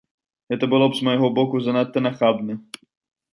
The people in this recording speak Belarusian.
Гэта было б з майго боку занадта нахабна.